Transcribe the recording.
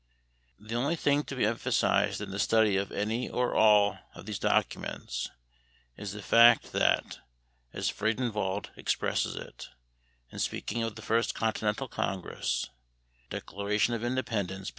The only thing to be emphasized in the study of any or all of these documents is the fact that, as Friedenwald expresses it, in speaking of the First Continental Congress (Declaration of Independence, p.